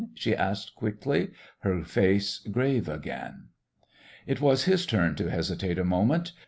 she asked quickly, her face grave again. It was his turn to hesitate a moment.